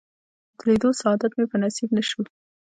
خو د لیدو سعادت مې په نصیب نه شو.